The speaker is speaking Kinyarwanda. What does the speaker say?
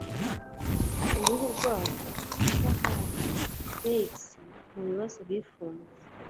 Uruhu rwabo, isahani, na pyx mubibazo bifunze,